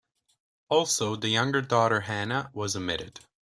Also, the younger daughter Hannah was omitted.